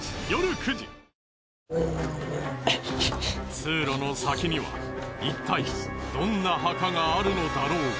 通路の先にはいったいどんな墓があるのだろうか。